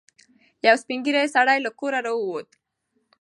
یو سپین ږیری سړی له کوره راووت.